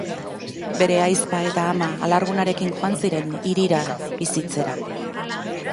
Bere ahizpa eta ama alargunarekin joan ziren hirira bizitzera.